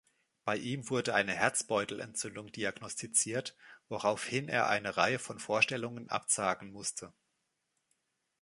Bei ihm wurde eine Herzbeutelentzündung diagnostiziert, woraufhin er eine Reihe von Vorstellungen absagen musste.